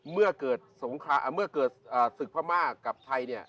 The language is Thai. เมื่อเกิดศึกพระม่ากับไทยเนี่ย